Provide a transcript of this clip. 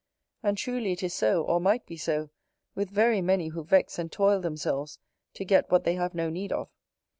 And truly it is so, or might be so, with very many who vex and toil themselves to get what they have no need of.